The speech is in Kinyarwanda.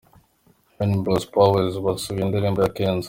Henhouse Prowlers basubiyemo indirimbo ya Kenzo.